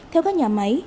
theo các nhà máy